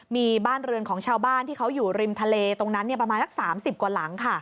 มีบ้านเรือนของชาวบ้านที่เขาอยู่ริมทะเลตรงนั้นประมาณสัก๓๐กว่าหลังค่ะ